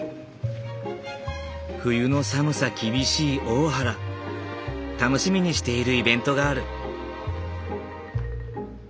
冬の寒さ厳しい大原楽しみにしているイベントがある。